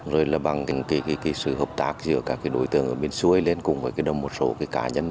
rồi là bằng cái sự hợp tác giữa các đối tượng ở miền xuôi lên cùng với một số cá nhân